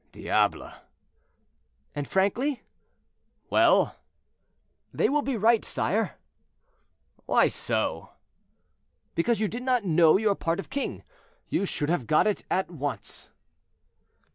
"Diable!" "And frankly—" "Well?" "They will be right, sire." "Why so?" "Because you did not know your part of king; you should have got it at once."